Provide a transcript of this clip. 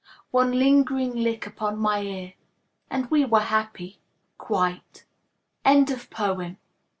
One lingering lick upon my ear And we were happy quite. ANONYMOUS.